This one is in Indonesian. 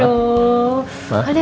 oh makasih ya